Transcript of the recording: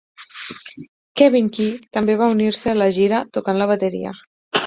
CEvin Key també va unir-se la gira tocant la bateria.